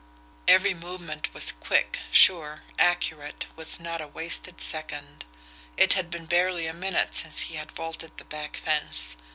Every movement was quick, sure, accurate, with not a wasted second. It had been barely a minute since he had vaulted the back fence.